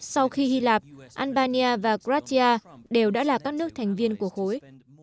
sau khi hy lạp albania và cratia đều đã là các nước thành viên của khối